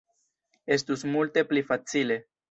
Estus multe pli facile.